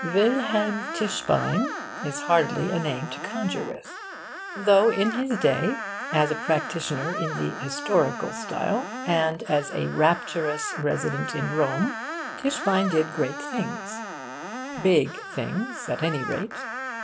Wilhelm Tischbein is hardly a name to conjure with, though in his day, as a practitioner in the 'historical' style, and as a rapturous resident in Rome, Tischbein did great things; big things, at any rate.